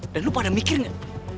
dan lo pada mikir gak